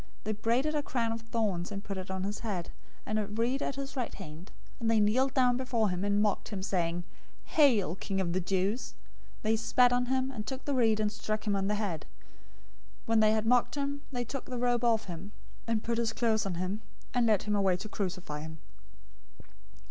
027:029 They braided a crown of thorns and put it on his head, and a reed in his right hand; and they kneeled down before him, and mocked him, saying, "Hail, King of the Jews!" 027:030 They spat on him, and took the reed and struck him on the head. 027:031 When they had mocked him, they took the robe off of him, and put his clothes on him, and led him away to crucify him.